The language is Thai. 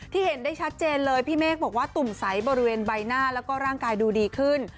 เห็นได้ชัดเจนเลยพี่เมฆบอกว่าตุ่มใสบริเวณใบหน้าแล้วก็ร่างกายดูดีขึ้น